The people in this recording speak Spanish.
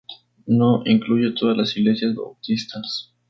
No incluye todas las iglesias bautistas.